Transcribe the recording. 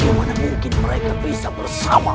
bagaimana mungkin mereka bisa bersama